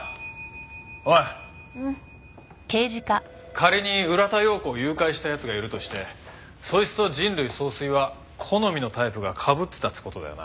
仮に浦田陽子を誘拐した奴がいるとしてそいつと人類総帥は好みのタイプがかぶってたっつう事だよな。